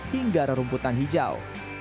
hingga rumputan hijau